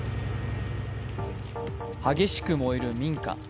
激しく燃える民家。